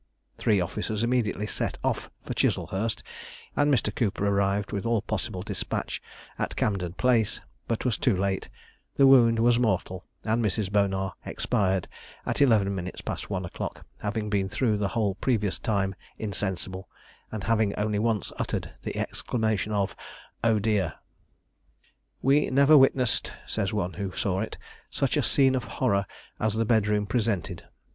Three officers immediately set off for Chiselhurst, and Mr. Cooper arrived with all possible despatch at Camden Place, but was too late; the wound was mortal, and Mrs. Bonar expired at eleven minutes past one o'clock, having been through the whole previous time insensible, and having only once uttered the exclamation of "Oh dear!" "We never witnessed," says one who saw it, "such a scene of horror as the bed room presented.